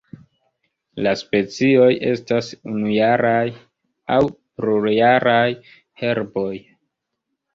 La specioj estas unujaraj aŭ plurjaraj herboj.